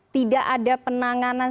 tidak ada penanganan